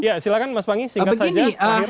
ya silakan mas panggi singkat saja